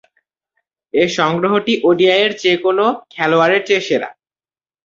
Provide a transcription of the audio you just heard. এ সংগ্রহটি ওডিআইয়ে যে-কোন খেলোয়াড়ের চেয়ে সেরা।